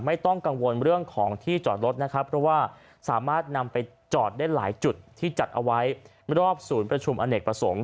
ไม่ต้องกังวลเรื่องของที่จอดรถนะครับเพราะว่าสามารถนำไปจอดได้หลายจุดที่จัดเอาไว้รอบศูนย์ประชุมอเนกประสงค์